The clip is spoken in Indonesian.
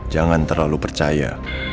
jangan terlalu percaya